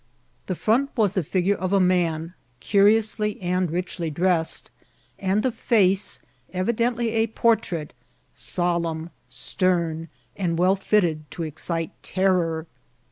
The front was the figure of a man curiously and richly dressed, and the faoey evidently a portrait, solemn, stern, and well fitted to excite terror.